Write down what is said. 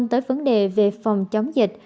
tới vấn đề về phòng chống dịch